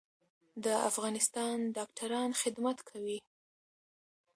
د افغانستان ډاکټران خدمت کوي